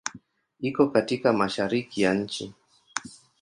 Iko katika Mashariki ya nchi.